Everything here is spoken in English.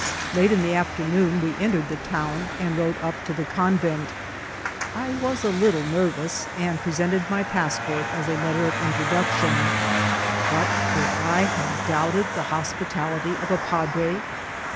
Late in the afternoon we entered the town and rode vsp to the oouTent. I was a little nervous, and pre sented my passport as a letter of introduction; but could I have doubted the hospitality of a padre